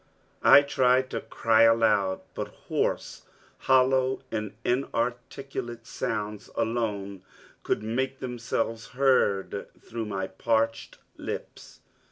I tried to cry aloud, but hoarse, hollow, and inarticulate sounds alone could make themselves heard through my parched lips.